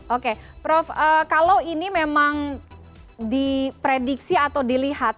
oke prof kalau ini memang diprediksi atau dilihat